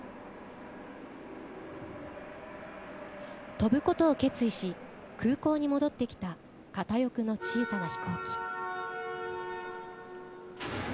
飛ぶことを決意し空港に戻ってきた片翼の小さな飛行機。